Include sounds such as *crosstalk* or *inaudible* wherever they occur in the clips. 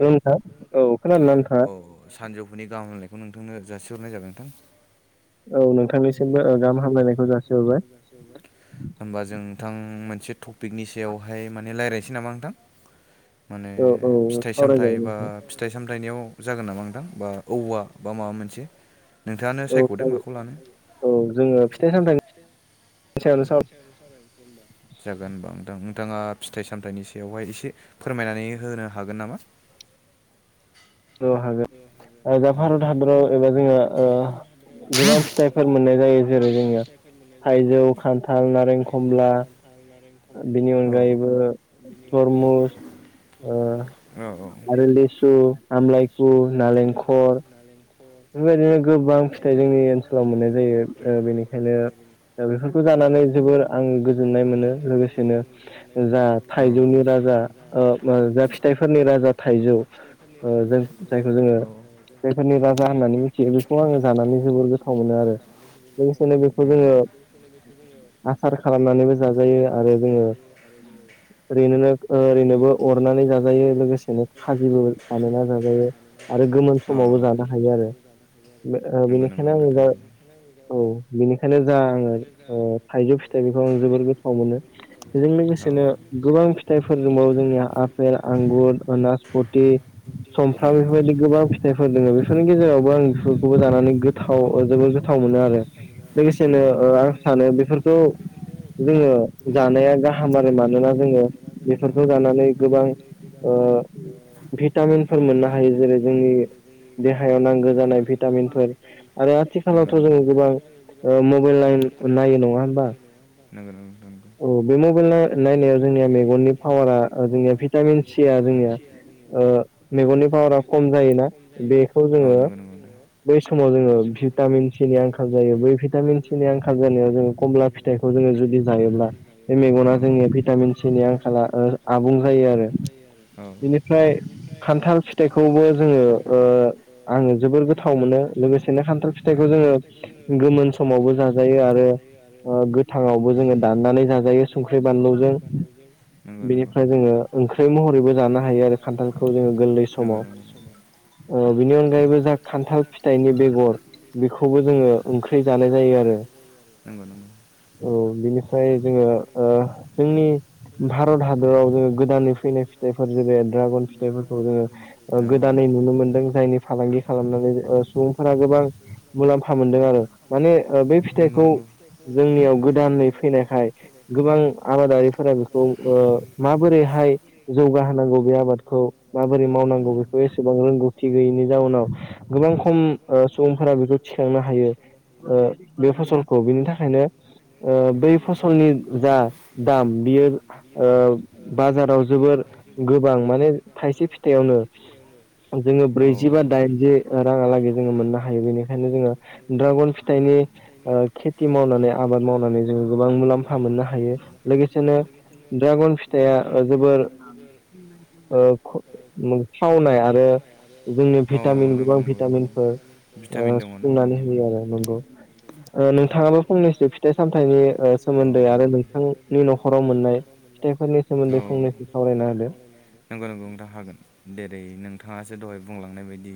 औ नोंथां औ खोनला नोंथाङा? बेखौ नोंथांनो जासिहरनाय जाबोन नोंथां। औ नोंथांनिसिमबो गाहाम हामलायनायखौ जासिहरबाय होमबा जों नोंथां मोनसे टपिकनि सायावहाय माने रायज्लायनोसै नामा नोंथां माने फिथाइ सामथाइ बा फिथाइ सामथ फरायनायाव जागोन नामा नोंथां बा औवा बा माबा मोनसे औ ज औ जोङो फिथाइ सामथाय *unintelligible* जागोन होनबा नोंथां नोंथाङा फिथाइ सामथायाइनि सायावहाय एसे फोरमायनानै होनो हागोन नामा *inaudible* हागोन जा भारत हादराव एबा जोंहा गोबां फिथाइफोर मोननाय जायो जेरै जोङो थाइजौ खान्थाल नारें खमला बेनि अनगायैबो थरमुस आरो लेसु आमलायखु नारेंखर बेबायदिनो गोबां फिथाइ जोंनि ओनसोलाव मोननाय जायो बेनिखायनो बेफोरखौ जानानै जोबोर आङो गोजोननाय मोनो लोगोसेनो जा थाइजौनि राजा जा फिथाइफोरनि राजा थाइजौ जायखौ जोङो जायफोरनि राजा होननानै मिथियो बेखौ आङो जानानै जोबोर गोथाव मोनो आरो लोगोसेनो बेखौ जोङो *unintelligible* आसार खालामनानैबो जाजायो आरो जोङो ओरैनोनो ओ ओरैनोबो अरनानै जाजायो लोगोसेनो खाजिबो लानो नाजागायो आरो गोमोन समावबो जानो हायो आरो बेनिखायनो आङो दा औ बेनिखायनो जा आङो थाइजौ फिथाइ बेखौ आं जोबोर गोथाव मोनो बेजों लोगोसेनो गोबां फिथाइफोर दंबावो जोंनिया आफेल आंगुर अनासपथि समफ्राम बेफोरबायदि गोबां फिथाइफोर दङो बे बेफोरनि गेजेरावबो आंबो लानानै गोथाव गोथाव मोनो आरोनो *unintelligible* सानो बेफोरखौ जोङो जानाया गाहाम आरो मानोना जोङो बेफोरखौ जानाय गोबां ओ भिटामिनफोर मोननो हायो जेरै जोंनि देहायाव नांगौ जानाय भिटामिनफोर आरो आथिखालावथ' जों गोबां ओ मबाइल नाय-नायो नङा होनबा नंगौ नोंथां नंगौ औ बे मबाइल नाय-नायनायाव जोंनिया मेगननि पावारा जोंनिया भिटामिन सिया जोंनिया ओ मेगननि पावारा खम जायोना बेखौ जोङो बै समाव जोङो भिटामिन सिनि आंखाल जायो बै भिटामिन सिनि आंखाल जानायाव जोङो कमला फिथाइखौ जों जोङो जुदि जायोब्ला बे मेगना जोंनि भिटामिन सिनि आंखाला आबुं जायो आरो औ *unintelligible* खान्थाल फिथाइखौबो जोङो ओ आङो जोबोर गोथाव मोनो लोगोसेनो खान्थाल फिथाइखौ जोङो गोमोन समावबो जा जायो आरो ओ गोथाङावबो जोङो दाननानै जाजायो संख्रि बानलुजों बेनिफ्राय जोङो ओंख्रि महरैबो जानो हायो आरो खान्थालखौ जोङो गो नंगौ नंगौ *unintelligible* अ बिनि अनगायैबो जा खान्थाल फिथाइनि बेगर बेखौबो जोङो ओंख्रि जानाय जायो आरो नंगौ नंगौ औ बिनिफ्राय जोङो ओ जोंनि भारत हादराव जोङो गोदानै फैनाय फिथायफोर जेरै द्रागन फिथायफोरखौ जोङो गो दानैै नुनो मोनदों जायनि फालांगि खालामनानै ओ सुबुंफोरा गोबां मुलाम्फा मोनदों आरो माने ओ बे फिथाइखौ जोंनियाव गोदानै फैनायखाय गोबां आबादारिफोरा बेखौ ओ माबोरै हाय जौगाहोनांगौ बे आबादखौ माबोरै मावनांगौ बे एसेबां रोंगौथि गैयैनि जाउनाव गोबां खम ओ सुबुंफोरा बेखौ थिखांनो हायो ओ बे फसलखौ बिनि थाखायनो ओ बे फसलनि जा दाम बियो ओ बाजाराव जोबोर गोबां माने थाइसे फिथाइ थाइसे फिथाइयावनो जोङो ब्रैजि बा दाइनजि राङालागै जोङो मोननो हायो बेनिखायनो जोङो ड्रागन फिथाइनि ओ खेथि मावनानै आबाद मावनानै जोङो गोबां मुलाम्फा मोननो हायो। लोगोसेनो ड्रागन फिथाइया ओ जोबोर ओ ख म खावनाय आरो जोंनि भिटामिन गोबां भिटामिनफोर ओ सुफुंनानै होयो आरो नंगौ। ओ नोंथाङाबो फंनैसो फिथाइ सामथाइनि ओ सोमोन्दै आरो नोंथांनि न'खराव मोननाय फिथाइफोरनि सोमोन्दै फंनैसो सावरायना होदो? नंगौ नंगौ नोंथा हा देरै नोंथाङासो दहाय बुंलांनाय बायदि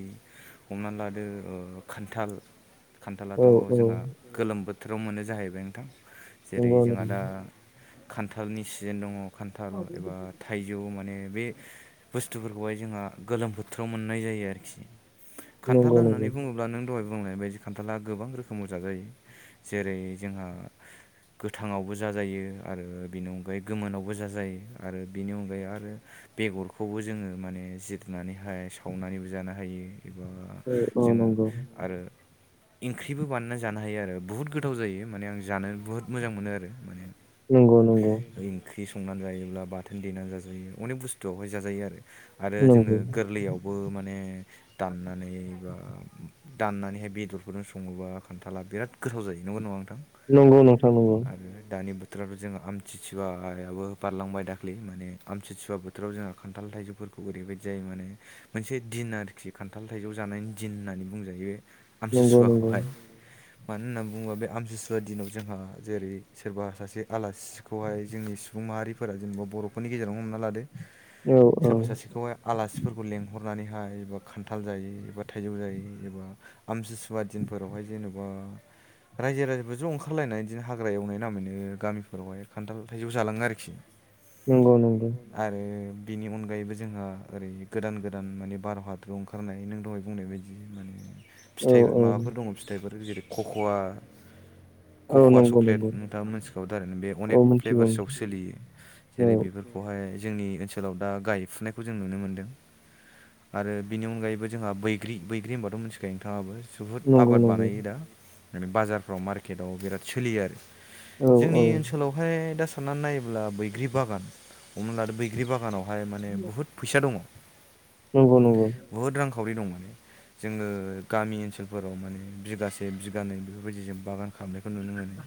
हमना लादो ओ खान्थाल खान्थालाथ' जोंहा गोलोम बोथोराव मोनो जाहैबाय नोंथां। जेरै जोंहा दा खान्थालनि सिजोन दङ खान्थाल एबा थाइजौ माने बे बुस्थुफोरखौहाय जोंहा गोलोम बोथ्राव मोननाय जायो आरोखि। खान्थाल होननानै बुङोब्ला नों दहाय बुंनाय बायदि खान्थाला गोबां रोखोम बजाजायो। जेरै जोंहा गोथाङावबो जाजायो आरो बेनि अनगायै गोमोनावबो जाजायो आरो बेनि अनगायै आरो बेगरखौबो जोङो माने जिरनानैहाय सावनानैबो जानो हायो। एबा जोङो आरो इंख्रिबो बानायना जानो हायो आरो बुहुत गोथाव जायो माने आं जानो बुहुत मोजां मोनो आरो माने। इंख्रि संनान जायोब्ला बाथोन देनानै जाजायो अनेक बुस्थुआवहाय जाजायो आरो। आरो जोङो गोरलैयावबो माने दाननानै बा दाननानैहाय बेदरखौनो सङोबा खान्थाला बिराद गोथाव जायो नंगौ नङा नोंथां? नंगौ नोंथां नंगौ। बोथोराबो जोंहा आमथिसुवायाबो बारलांबाय दाखालि माने आमथिसुवा बोथोराव जोङो खान्थाल थाइजौफोरखौ ओरैबायदि जायो माने मोनसे दिन आरोखि खान्थाल थाइजौ जानायनि दिन होननानै बुंजायो। आमथिसुवाखौहाय। मानो होनना बुङोबा बे आमथिुसुवा दिनाव जोंहा जेरै- सोरबा सासे आलासिखौहाय जोंनि सुबुं माहारिफोरा जेनेबा बर'फोरनि गेजेरावनो हमना लादो सोरबा सासेखौहाय आलासिफोरखौ लेंहर नानैहाय एबा खान्थाल जायो एबा थाइजौ जायो एबा आमथिसुवा दिनफोरावहाय जेन'बा *inaudible* रायजो राजाफ्रा ज' ओंखारलायनाय बिदिनो हाग्रा एवनाय नामैनो गामिफोरावहाय खान्थाल थाइजौ जालाङो आरोखि। आरो बेनि अनगायैबो जोंहा ओरै गोदान-गोदान माने बार हादरु ओंखारनाय नों दहाय बुंनाय बायदि माने फिथाइ माबाफोर दङ फिथाइफोर जेरै- खख'वा खख'वा चक्लेट नोंथाङा मोनथिखावौ दा आरो बे अनेक फ्लेभार्सआव सोलियो जेरै बेफोरखौहाय जोंनि ओनसोलाव दा गायफुनायखौ जों नुनो मोनदों। आरो बिनि अनगायैबो जोंहा बैग्रि बैग्रि होनबाथ' मोनथिखायो नोंथाङाबो? बहुद आबाद बानायो दाे बाजारफ्राव मार्केटाव बिराद सोलियो आरोखि। जोंनि ओनसोलावहाय दा सान्नानै नायोब्ला बैग्रि बागान हमनानै लादो बै ग्रि बागानावहाय माने बुहुद फैसा दङ। बुहुद रां खावरि दं जोङो गामि ओनसोलफोराव माने बिघासे बिघानै बेफोरबायदि जों बागान खालामनायखौ नुनो मोनो।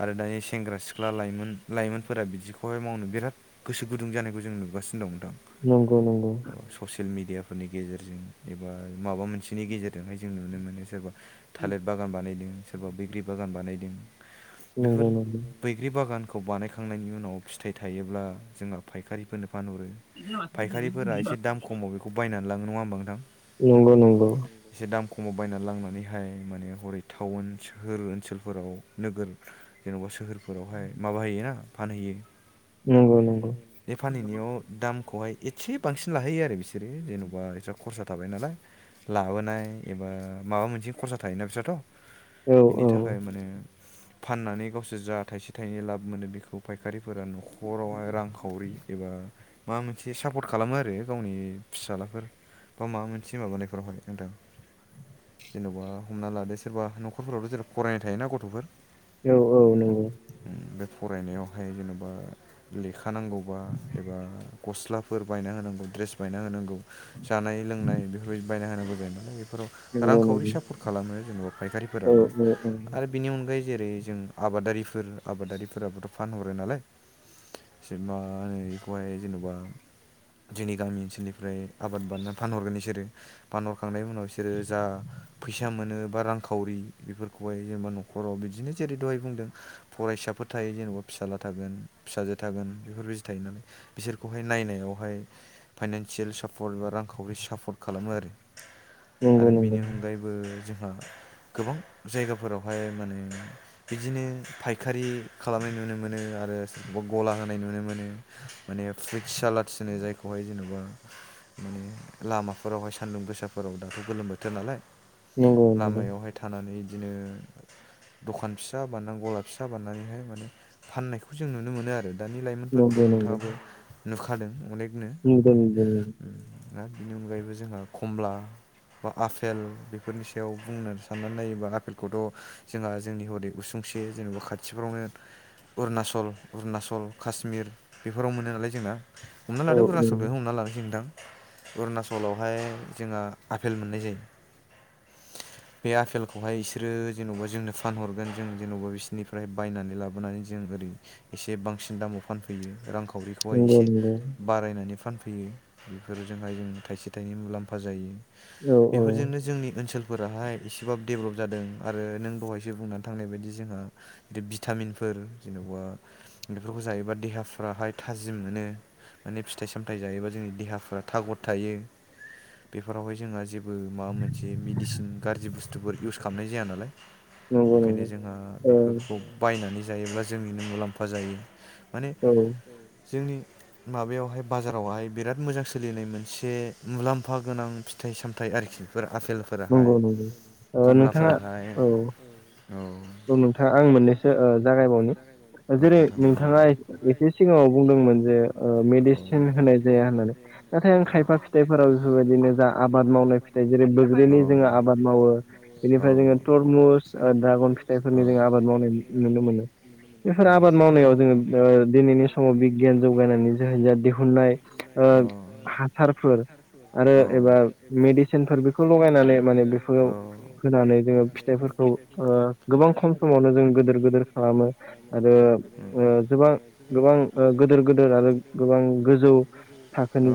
आरो दानि सेंग्रा सिख्ला लाइमोन लाइमोनफोरा बिदिखौहाय मावनो बिराद गोसो गुदुं जानाय खौ जों नुगासिनो दं। नंगौ नंगौ। ससियेल मिडियाफोरनि गेजेरजों एबा माबा मोनसेनि गेजेरजोंहाय जों नुनो मोनो सोरबा थालिर बागान बानायदों सोरबा बैग्रि बागान बानायदों। बेफोर बैग्रि बागानखौ बानायखांनायनि उनाव फिथाइ थायोब्ला जोंना पाय खारिफोरनो फानहरो फायखारिफोरा एसे दाम खमाव बेखौ बायनानै लांङो नङा होमबा नोंथां नंगौ नंगौ एसे खमाव बायना लांनानैहाय माने हरै टाउन सोहोर ओनसोलफोराव नोगोर जेन'बा सोहोर फोरावहाय माबा होयो ना फानहैयो नंगौ नंगौ बे फानहैनायाव दामखौहाय एसे बांसिन लाहैयो आरो बिसोरो जेन'बा एसे खरसा थाबाय नालाय लाबोनाय एबा माबा मोनसे खरसा थायोना बिस्राथ' बिनि थाखाय माने फाननानै गावसोर जा थाइसे थाइनै लाब मोनो बेखौ फायखारिफोरा न'खरावहाय रांखावरि एबा माबा मोनसे सापर्ट खालामो आरो। गावनि फिसाज्लाफोर बा माबा मोनसे माबानायफोरावहाय नोंथां जेन'बा हमना लादो सोरबा न'खरफोरावथ' जोंना फरायनाय थायोना गथ'फोर औ औ नंगौ फरायनायावहाय जेनेबा लेखा नांगौबा एबा गस्लाफोर बायना होनांगौ द्रेस बायना होनांगौ जानाय लोंनाय बेफोरबायदि बायना होनांगौ जायो नालाय बेफोराव रांखावरि सापर्ट खालामो जेनेबा फायखारिफोराबो आरो बेनि अनगायै जेरै जों आबादारिफोर आबादारिफोराबोथ' फानहरो नालाय सोर मा होनो बेखौहाय जेनेबा जोंनि गामि ओनसोलनिफ्राय आबाद बारनानै फानहरगोन बिसोरो फानहरखांनायनि उनाव बिसोरो जा फैसा मोनो बा रांखावरि बेफोरखौहाय जेनेबा न'खराव बिदिनो जेरै दहाय बुंदों फराय साफोर थायो जेन'बा फिसाजला थागोन फिसाजो थागोन बेफोरबायदि थायो नालाय बिसोरखौहाय नायनायावहाय फाइनानसियेल सापर्ट बा रांखावरि सापर्ट खालामो आरो। आरो बिनि अनगायैबो जोंहा गोबां जायगाफोरावहाय माने बिदिनो फायखारि खालामनाय नुनो मोनो। आरो सोरखौबा गला होनाय नुनो मोनो माने फ्रुइद सालादस होनो जाय खौहाय जेनेबा माने लामाफोरावहाय सान्दुं गोसाफोराव दाथ' गोलोम बोथोर नालाय लामायावहाय थानानै बिदिनो दखान फिसा बानायनानै गला फिसा बानायनानैहाय माने फाननायखौ जों नुनो मोनो आरो। दानि लाइमोनफोरखौथ' नोंथाङाबो नुखादों अनेक बिदिनो ओमफ्राय आरो बिनि अनगायैबो जोंहा खमला बा आफेल बेफोरनि सायाव बुंनो साननानै नायोबा आफेलखौथ' जोंहा जोंनि हरै उसुं खौसे जेनेबा खाथिफ्रावनो अरुणचल अरुनाचल काश्मिर बेफोराव मोनो नालाय जोंना हमना लादो अरुनाचलखौनो हमना लानोसै नोंथां अरुणचलावहाय जोंहा आपेल मोननाय जायो। बे आपेलखौहाय बिसोरो जेनेबा जोंनो फानहरगोन जों जेन'बा बिसोरनिफ्राय बायनानै लाबोनानै जों ओरै एसे बांसिन दामाव फानफैयो रांखावरिखौहाय एसे बारायनानै फानफैयो बेफोरजोंहाय जों थाइसे थाइनै मुलाम्फा जायो। बेफोरजोंनो जोंनि ओनसोल फोराहाय एसेबाबो डेभेलप जादों आरो नों दहायसो बुंनानै थांनाय बायदि जोंहा भिटामिनफोर जेनेबा बेफोरखौ जायोबा देहा फ्राहाय थाजिम मोनो। माने फिथाइ-सामथाइ जायोबा जोंनि देहाफ्रा थागद थायो। बेफोरावहाय जोंहा जेबो माबा मोनसे मेडिसिन गाज्रि बुस्थुफोर इउस खालामनाय जाया नालाय। ओंखायनो जोंहा बेफोरखौ बायनानै जायोब्ला जोंनिनो मुलाम्फा जायो। औ औ जोंनि माबायावहाय बाजारावहाय बिराद मोजां सोलिनाय मोनसे मुलाम्फा गोनां फिथाइ-सामथाइ आरोखि बेफोरा आफेलफोराहाय खमलाफोराहाय औ औ नोंथाङा आं मोननैसो ओ जागायबावनि जेरै नोंथाङा एसे सिगाङाव बुंदोंमोन जे ओ मेडिसिन होनाय जाया होननानै नाथाय आं खायफा फिथाइफोराव बेफोरबायदिनो जा आबाद मावनाय फिथाइ जेरै बैग्रिनि जोङो आबाद मावो बेनिफ्राय जोङो थरमु स आरो द्रागन फि औ औ ओ दिनैनि समाव बिगियान जौगानानै जा दिहुननाय ओ हासारफोर आरो एबा मेडिसिनफोर बेखौ लगायनानै माने बेफोराव होनानै जोङो फिथाइफोर खौ ओ गोबां खम समावनो जों गोदोर गोदोर खालामो आरो ओ अ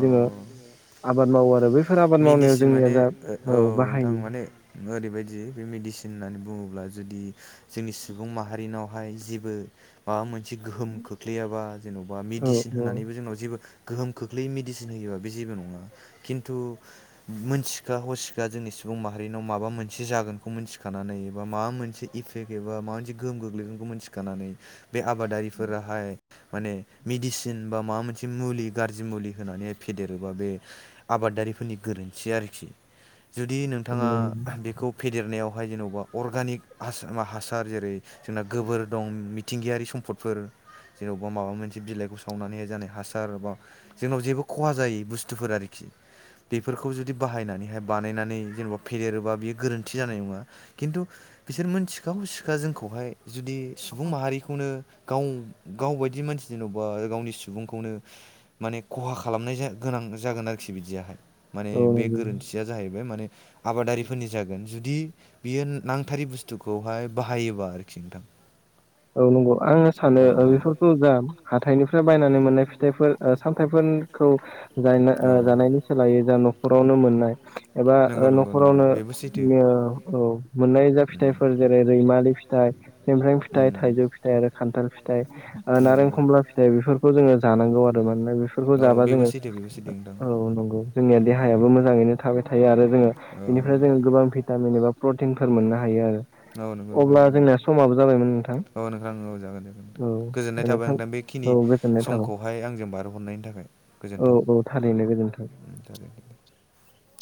मेडिसिन माने ओ औ नोंथां माने ओरैबायदि बे मेडि सिन होननानै बुङोब्ला जुदि जोंनि सुबुं माहारिनावहाय जेबो माबा मोनसे गोहोम खोख्लैया बा जेन'बा मेडिसिन होनानैबो जोंनाव जेबो गोहोम खोख्लै मेडिसिन होयोबा बे जेबो नङा। खिन्थु मोनथिखा हसिखा जोंनि सुबुं माहारिनाव माबा मोनसे जागोनखौ मिथिखानानै एबा माबा मोनसे इफेक्ट एबा माबा मोनसे गोहोम गोग्लैगोन खौ मोनथिखानानै बे आबादारि फोराहाय माने मेडिसिन बा माबा मोनसे मुलि गाज्रि मुलि होनानैहाय फेदेरोबा बे आबादारिफोरनि गोरोन्थि आरोखि। जुदि नोंथाङा बेखौ फेदेरनायाव बेहाय जेनेबा अर्गानिक हा-हासार जेरै जोंना गोबोर दं मिथिंगायारि सम्पदफोर जेनेबा माबा मोनसे बिलाइखौ सावनानैहाय जानाय हासार बा जोंनाव जेबो खहा जायो बुस्थुफोरा आरोखि बेफोरखौ जुदि बाहायनानैहाय बानायनानै जेन'बा फेदेरोबा बियो गोरोन्थि जानाय नङा। खिन्थु बिसोर मोनथिखा हसिखा जोंखौहाय जुदि सुबुं माहारिखौनो गाव गावबायायदि मानसि जेन'बा गावनि सुबुंखौनो माने खहा खालामनाय गोनां जागोन आ रोखि बिदियाहाय। माने बे गोरोन्थिया जाहै बाय माने आबादारिफोरनि जागोन जुदि बियो नांथारै बुस्थुखौहाय बाहायोबा आरो खि नोंथां औ नंगौ। आङो सानो ओ बेफोरखौ जा हाथाइनिफ्राय बायनानै मोननाय फिथाइफोर सामथाइफोरखौ गायना ओ जानायनि सोलायै जा न'खरावनो मोननाय एबा ओ न'खरावनो औ मोननाय जा फिथाइफोर जेरै रैमालि फिथाइ, समफ्रां फिथाइ थाइजौ फिथाइ आरो खान्थाल फिथाइ ओ नारें खमला फिथाइ बेफोरखौ जोङो जानांगौ आरो मानोना बे बैफोरखौ जाबा जोङो औ नंगौ जोंनिया देहायाबो मोजाङैनो थाबाय थायो आरो जोङो बेनिफ्राय जोङो गोबां भिटामिन एबा प्रटिनफोर मोननो हायो आरो। अब्ला जोंनिया समाबो जाबायमोन नोंथां। औ नोंथां औ जागोन जागोन नोंथां। गोजोननाय थाबाय नोंथां बेखिनि समखौहाय आंजों बारहरनायनि थाखाय। गोजोन्थों औ थारैनो गो *inaudible*